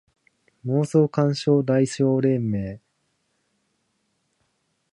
妄想感傷代償連盟